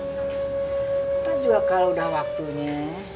kita juga kalau udah waktunya